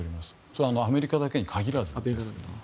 それはアメリカだけに限らず。